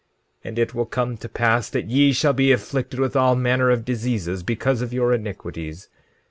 17:16 And it will come to pass that ye shall be afflicted with all manner of diseases because of your iniquities.